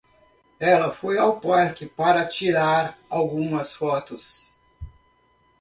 Ela foi ao parque para tirar algumas fotos.